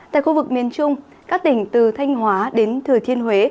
tại khu vực miền trung các tỉnh từ thanh hóa đến thừa thiên huế